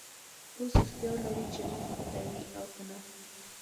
اوس اختیار لرې چې مخ پټوې او که نه.